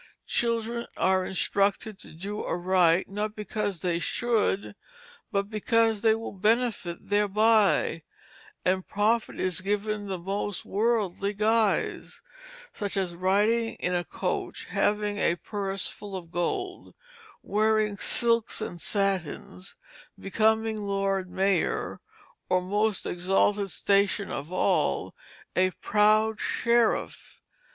Children are instructed to do aright, not because they should, but because they will benefit thereby and profit is given the most worldly guise, such as riding in a coach, having a purse full of gold, wearing silks and satins, becoming Lord Mayor, or most exalted station of all, "a proud Sheriff."